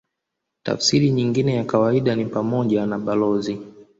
Tafsiri nyingine ya kawaida ni pamoja na balozi.